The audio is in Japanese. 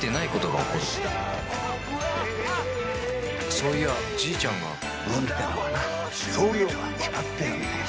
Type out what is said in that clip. そういやじいちゃんが運ってのはな量が決まってるんだよ。